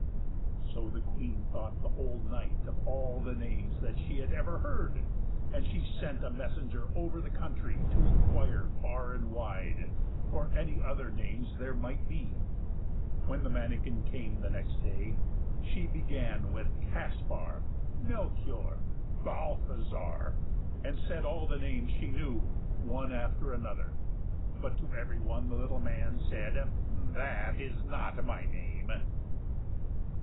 So the Queen thought the whole night of all the names that she had ever heard, and she sent a messenger over the country to inquire, far and wide, for any other names that there might be. When the manikin came the next day, she began with Caspar, Melchior, Balthazar, and said all the names she knew, one after another; but to every one the little man said, "That is not my name."